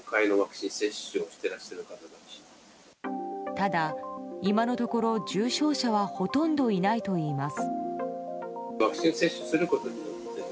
ただ、今のところ重症者はほとんどいないといいます。